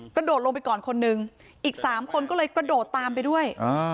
กระโดดลงไปก่อนคนนึงอีก๓คนก็เลยกระโดดตามไปด้วย